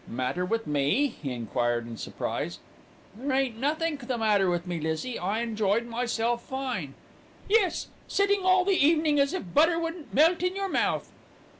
"Matter with me?" he enquired in surprise. "There ain't nothink the matter with me, Lizzie, I enjoyed myself fine." "Yes, sitting all the evening as if butter wouldn't melt in your mouth."